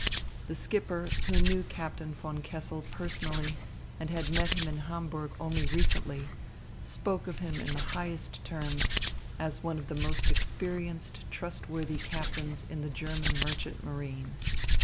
The skipper, who knew Captain von Kessel personally and had met him in Hamburg only recently, spoke of him in the highest terms, as one of the most experienced, trustworthy captains in the German merchant marine.